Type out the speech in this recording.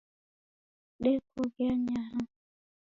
Dekoghe anyaha